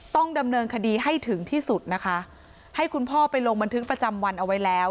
ต้องดำเนินคดีให้ถึงที่สุดนะคะให้คุณพ่อไปลงบันทึกประจำวันเอาไว้แล้ว